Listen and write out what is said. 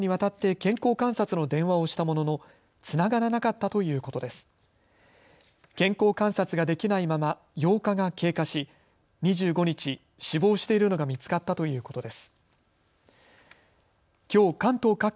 健康観察ができないまま８日が経過し２５日、死亡しているのが見つかったということです。